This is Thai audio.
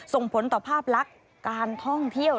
ส่งผลต่อภาพลักษณ์การท่องเที่ยว